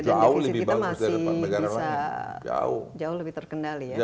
jadi akun defisit kita masih bisa jauh lebih terkendali ya